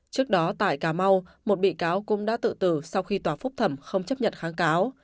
trước đó tại cà mau một bị cáo cũng đã tự tử sau khi tòa phúc thẩm không chấp nhận kháng cáo